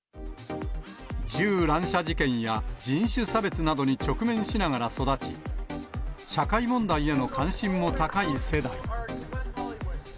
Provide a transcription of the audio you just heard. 銃乱射事件や人種差別などに直面しながら育ち、社会問題への関心も高い世代。